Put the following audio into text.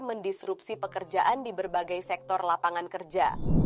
mendisrupsi pekerjaan di berbagai sektor lapangan kerja